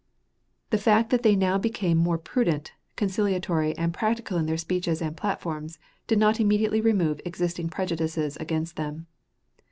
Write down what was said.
The fact that they now became more prudent, conciliatory, and practical in their speeches and platforms did not immediately remove existing prejudices against them.